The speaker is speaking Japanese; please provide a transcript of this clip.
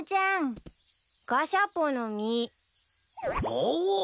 おお。